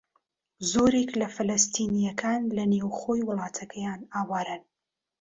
زۆرێک لە فەلەستینییەکان لە نێوخۆی وڵاتەکەیان ئاوارەن.